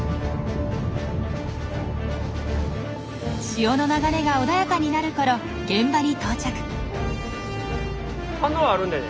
潮の流れが穏やかになるころ現場に到着。